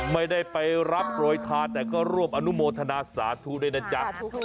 ไม่ได้ไปรับโปรยทานแต่ก็ร่วมอนุโมทนาสาธุด้วยนะจ๊ะ